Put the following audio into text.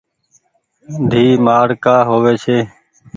ديئي مآڙ ڪآ هووي ڇي۔